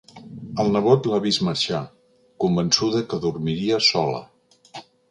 El nebot l'ha vist marxar, convençuda que dormiria sola.